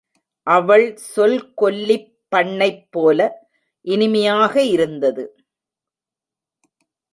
அவள் சொல் கொல்லிப் பண்ணைப்போல இனிமையாக இருந்தது.